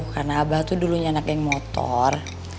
karena abah tuh dulunya anak yang motor